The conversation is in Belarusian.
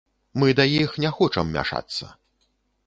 Мы да іх не хочам мяшацца.